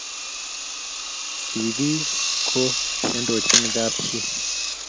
singik ko chendochin kab chi